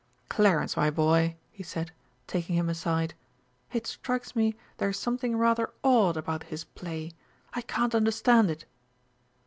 "Clarence, my boy," he said, taking him aside. "It strikes me there's something rather odd about his play. I can't understand it!"